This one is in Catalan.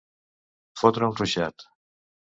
Fotre un ruixat.